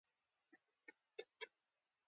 ایسټل لوډر وایي د بریا لپاره کار کوئ.